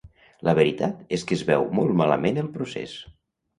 La veritat és que es veu molt malament el procés.